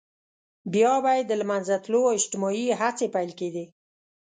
بيا به يې د له منځه تلو اجتماعي هڅې پيل کېدې.